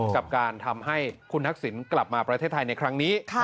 กับการทำให้คุณทักษิณกลับมาประเทศไทยในครั้งนี้